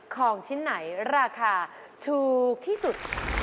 ของชิ้นไหนราคาถูกที่สุด